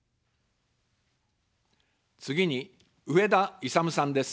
次に、上田いさむさんです。